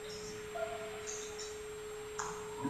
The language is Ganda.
Emmere esiridde tewooma.